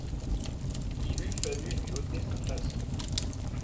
Il eut fallu lui ôter sa face.